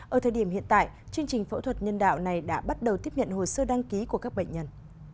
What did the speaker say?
ở thời điểm hiện tại chương trình phẫu thuật nhân đạo này đã bắt đầu tiếp nhận hồ sơ đăng ký của các bệnh nhân